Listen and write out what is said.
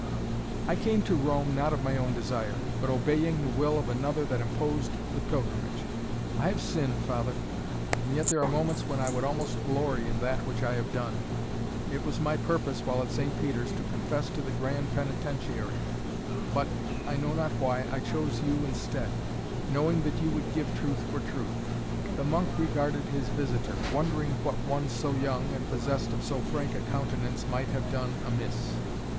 "I came to Rome not of my own desire, but obeying the will of another that imposed the pilgrimage. I have sinned, father and yet there are moments, when I would almost glory in that which I have done. It was my purpose, while at St. Peter's to confess to the Grand Penitentiary. But I know not why I chose you instead, knowing that you would give truth for truth." The monk regarded his visitor, wondering what one so young and possessed of so frank a countenance might have done amiss.